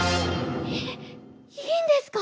えっいいんですか？